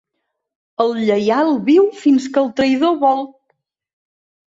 El lleial viu fins que el traïdor vol.